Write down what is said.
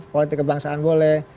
politik kebangsaan boleh